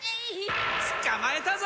つかまえたぞ！